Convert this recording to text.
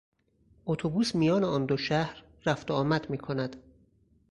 اتوبوس میان آن دو شهر رفت و آمد میکند.